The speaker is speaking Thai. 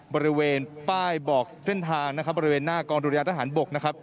บริเวณป้ายบอกเส้นทางนะครับบริเวณหน้ากองดุรยาทหารบกนะครับ